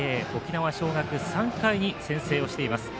沖縄尚学３回に先制をしています。